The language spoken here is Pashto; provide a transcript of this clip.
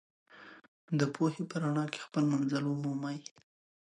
د پوهې په رڼا کې خپل منزل ومومئ.